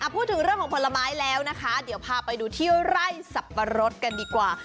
พูดถึงเรื่องของผลไม้แล้วนะคะเดี๋ยวพาไปดูที่ไร่สับปะรดกันดีกว่า